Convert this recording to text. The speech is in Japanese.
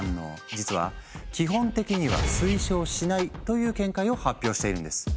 実は基本的には推奨しないという見解を発表しているんです。